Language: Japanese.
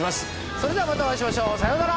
それではまたお会いしましょう。さようなら！